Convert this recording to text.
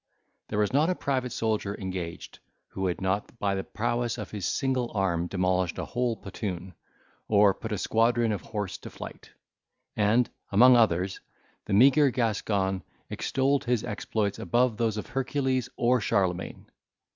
There was not a private soldier engaged who had not by the prowess of his single arm demolished a whole platoon, or put a squadron of horse to flight; and, among others, the meagre Gascon extolled his exploits above those of Hercules or Charlemagne.